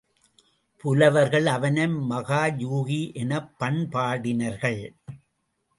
புலவர்கள் அவனை மகாயூகி எனப்பண் பாடினர்கள்.